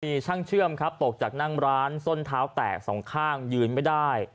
มีช่างเชื่อมครับตกจากนั่งร้านส้นเท้าแตกสองข้างยืนไม่ได้